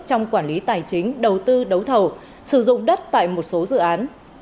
trong quản lý tài chính đầu tư đấu thầu sử dụng đất tại một số dự án